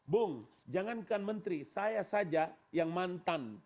bung jangankan menteri saya saja yang mantan